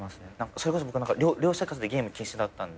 それこそ僕は寮生活でゲーム禁止だったんで。